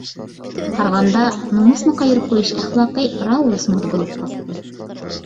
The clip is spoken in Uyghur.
قارىغاندا، نومۇسنى قايرىپ قويۇش ئەخلاقى راۋۇرۇس مودا بولۇپ قاپتۇ.